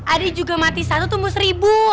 ada juga mati satu tumbuh seribu